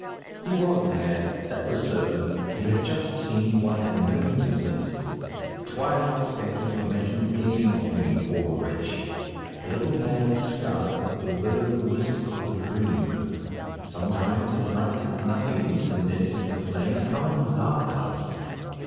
He was mad; that was certain: He had just seen what had no existence. The twilight spectres were making game of him, poor wretch! The little man in scarlet was the will o' the wisp of a dream. Sometimes, at night, nothings condensed into flame come and laugh at us.